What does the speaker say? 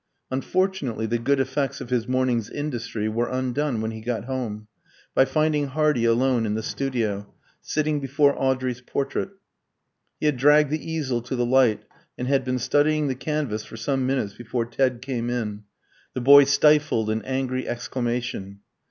Unfortunately the good effects of his morning's industry were undone when he got home, by finding Hardy alone in the studio, sitting before Audrey's portrait. He had dragged the easel to the light, and had been studying the canvas for some minutes before Ted came in. The boy stifled an angry exclamation.